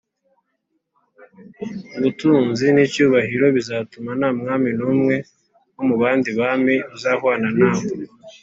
ubutunzi n’icyubahiro bizatuma nta mwami n’umwe wo mu bandi bami uzahwana nawe